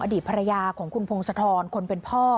อดีตภรรยาของคุณพงศธรคนเป็นพ่อ